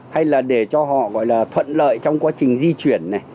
hay là để cho họ gọi là thuận lợi trong quá trình di chuyển này